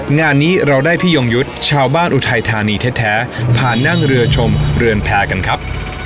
งานนี้เราได้พี่ยงยุทธ์ชาวบ้านอุทัยธานีแท้ผ่านนั่งเรือชมเรือนแพร่กันครับ